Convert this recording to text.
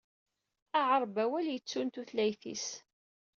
Aɛerbawal yettun tutlayt-is.